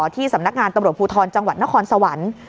ที่สำนักงานตำรวจภูทรจังหวัดนครสวรรค์